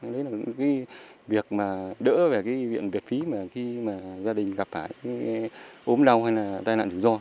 đấy là cái việc mà đỡ về cái viện vệ phí mà khi mà gia đình gặp phải cái ốm đau hay là tai nạn rủi ro